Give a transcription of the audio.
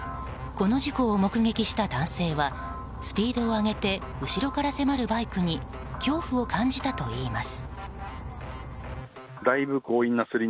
この事故を目撃した男性はスピードを上げて後ろから迫るバイクに恐怖を感じたといいます。